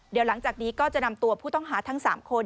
เดี๋ยวหลังจากนี้ก็จะนำตัวผู้ต้องหาทั้ง๓คน